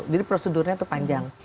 jadi prosedurnya tuh panjang